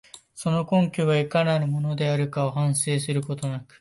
その根拠がいかなるものであるかを反省することなく、